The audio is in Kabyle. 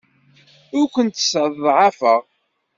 Ur kent-sseḍɛafeɣ.